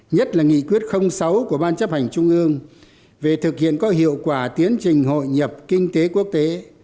nhất là nghị quyết sáu của ban chấp hành trung ương về thực hiện có hiệu quả tiến trình hội nhập kinh tế quốc tế